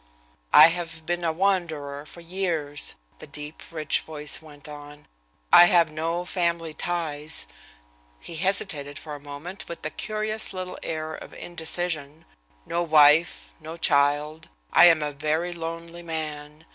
"I have been a wanderer for years," the deep, rich voice went on. "I have no family ties" he hesitated for a moment, with a curious little air of indecision "no wife, no child. I am a very lonely man.